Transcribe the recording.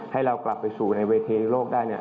ให้เรากลับไปสู่ในเวทีโลกได้เนี่ย